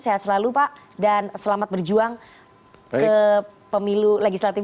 sehat selalu pak dan selamat berjuang ke pemilu legislatif dua ribu dua puluh empat